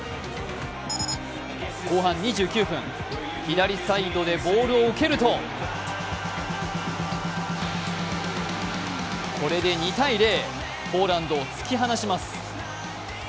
後半２９分、左サイドでボールを蹴るとこれで２−０、ポーランドを突き放します。